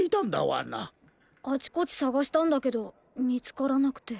あちこちさがしたんだけどみつからなくて。